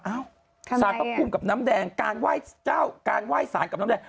เอ้าทำไมสารประคุมกับน้ำแดงการไหว้เจ้าการไหว้สารกับน้ำแดง